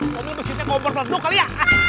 kamu mesinnya kompor pelantuk kali ya